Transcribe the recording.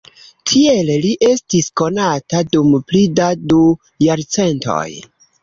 Tiele li estis konata dum pli da du jarcentoj.